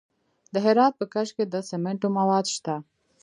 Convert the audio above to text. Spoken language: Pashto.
د هرات په کشک کې د سمنټو مواد شته.